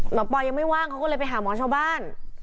ปอยยังไม่ว่างเขาก็เลยไปหาหมอชาวบ้าน